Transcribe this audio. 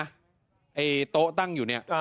ไอ้โต๊ะตั้งอยู่เนี่ย